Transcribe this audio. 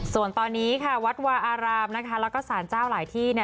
ส่วนตอนนี้วัดวาอารามแล้วก็สารเจ้าหลายที่